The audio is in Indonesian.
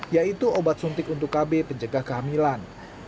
yaitu obat suntik untuk kb penjaga kehamilan